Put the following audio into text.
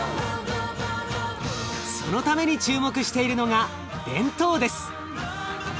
そのために注目しているのが弁当です。